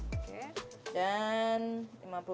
oke dan lima puluh gram kelapa parut